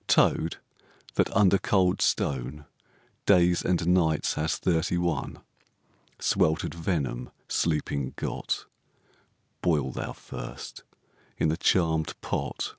— Toad, that under cold stone Days and nights has thirty one Swelter'd venom sleeping got, Boil thou first i' th' charmed pot!